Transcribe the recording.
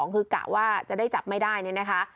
คือกะว่าจะได้จับไม่ได้เนี่ยนะคะ